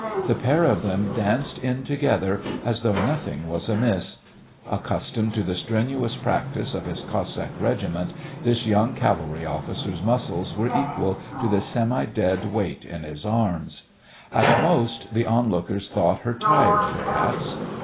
The pair of them danced in together as though nothing was amiss. Accustomed to the strenuous practice of his Cossack regiment, this young cavalry officer's muscles were equal to the semi dead weight in his arms. At most the onlookers thought her tired, perhaps.